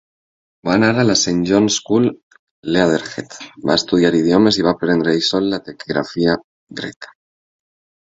Va anar a la Saint John's School, Leatherhead, va estudiar idiomes i va aprendre ell sol la taquigrafia Gregg.